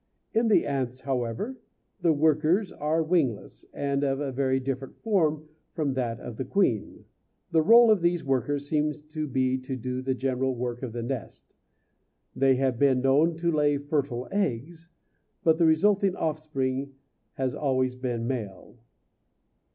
In the ants, however, the workers are wingless, and of a very different form from that of the queen. The rôle of these workers seems to be to do the general work of the nest; they have been known to lay fertile eggs, but the resulting offspring has always been male.